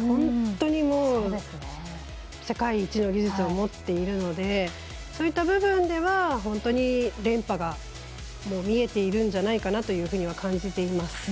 本当に世界一の技術を持っているのでそういった部分では、本当に連覇が見えているんじゃないかなというふうには感じています。